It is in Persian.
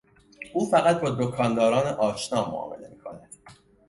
او فقط با دکانداران آشنا معامله میکند.